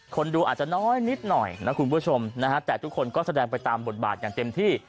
ดูอาจจะน้อยนิดหน่อยนะคุณผู้ชมนะฮะแต่ทุกคนก็แสดงไปตามบทบาทอย่างเต็มที่